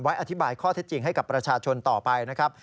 อธิบายข้อเท็จจริงให้กับประชาชนต่อไปนะครับ